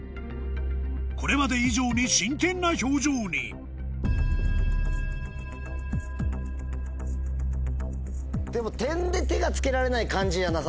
これまで以上に真剣な表情にでもてんで手が付けられない感じじゃなさそうでしょう。